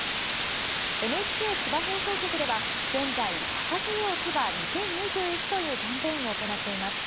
ＮＨＫ千葉放送局では現在咲かせよう千葉２０２１というキャンペーンを行っています。